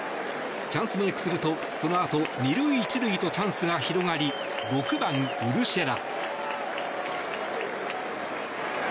チャンスメイクすると、そのあと２塁１塁とチャンスが広がり６番、ウルシェラ。